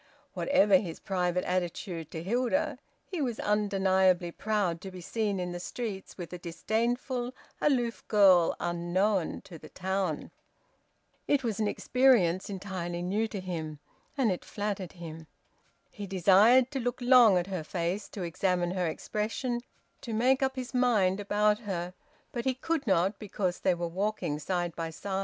Whatever his private attitude to Hilda, he was undeniably proud to be seen in the streets with a disdainful, aloof girl unknown to the town. It was an experience entirely new to him, and it flattered him. He desired to look long at her face, to examine her expression, to make up his mind about her; but he could not, because they were walking side by side.